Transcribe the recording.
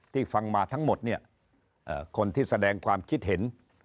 ฟังมาทั้งหมดเนี่ยคนที่แสดงความคิดเห็น